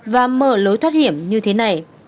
và mở lối thoát hiểm như thế này